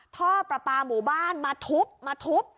ท่อประปาหมู่บ้านมาทุบมาทุบ